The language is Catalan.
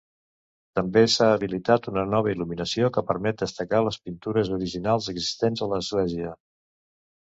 També s'ha habilitat una nova il·luminació que permet destacar les pintures originals existents a l’església.